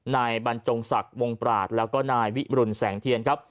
นายบรรจงศักดิ์วงปราศแล้วก็นายวิมรุนแสงเทียนครับ